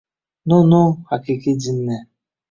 — Nu-nu, haqiqiy jinni!